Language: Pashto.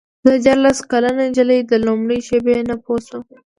زه دیارلس کلنه نجلۍ د لومړۍ شېبې نه پوه شوم.